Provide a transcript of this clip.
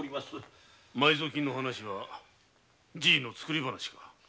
埋蔵金の話はじぃの作り話か？